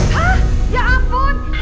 hah ya ampun